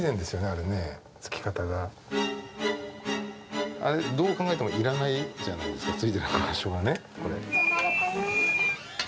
あれ、どう考えてもいらないじゃないですか、ついてる場所がね、これ。